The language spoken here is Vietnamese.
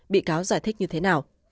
bị cáo giải thích như thế nào